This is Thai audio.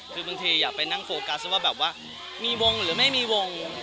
คือบางทีอย่าไปนั่งโฟกัสว่าแบบว่ามีวงหรือไม่มีวง